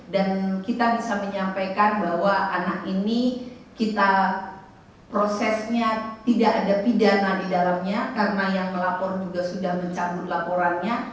dan kita bisa menyampaikan bahwa anak ini prosesnya tidak ada pidana di dalamnya karena yang melapor juga sudah mencabut laporannya